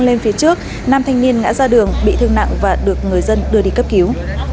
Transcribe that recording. lên phía trước nam thanh niên ngã ra đường bị thương nặng và được người dân đưa đi cấp cứu